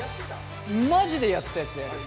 マジでやってたやつやるよ